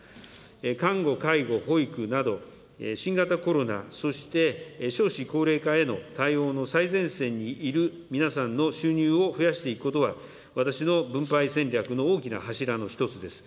看護、介護、保育など、新型コロナ、そして少子高齢化への対応の最前線にいる皆さんの収入を増やしていくことは、私の分配戦略の大きな柱の一つです。